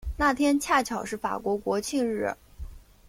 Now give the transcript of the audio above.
那天恰巧是法国国庆日。